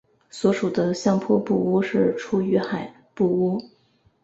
所属的相扑部屋是出羽海部屋。